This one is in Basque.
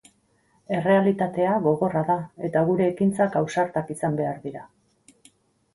Errealitatea gogorra da eta gure ekintzak ausartak izan behar dira.